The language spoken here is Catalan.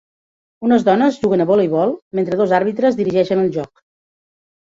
Unes dones juguen a voleibol mentre dos àrbitres dirigeixen el joc.